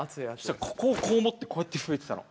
したらここをこう持ってこうやってふいてたの。